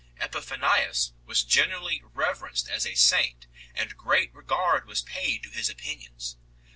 Epiphanius was generally reverenced as a saint, and great regard was paid to his opinions.